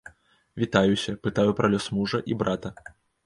Вітаюся, пытаю пра лёс мужа і брата.